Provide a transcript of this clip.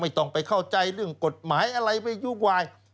ต้องไปเข้าใจเรื่องกฎหมายอะไรไปยุ่งวาย